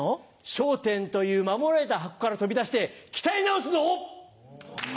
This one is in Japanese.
『笑点』という守られた箱から飛び出して鍛え直すぞ！